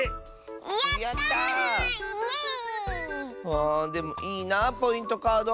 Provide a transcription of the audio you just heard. あでもいいなあポイントカード。